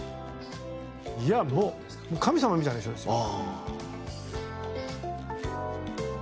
いやもう神様みたいな人ですよ。